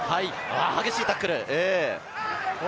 厳しいタックル。